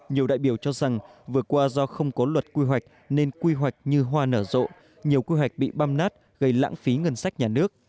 nhiều đại biểu cho rằng vừa qua do không có luật quy hoạch nên quy hoạch như hoa nở rộ nhiều quy hoạch bị băm nát gây lãng phí ngân sách nhà nước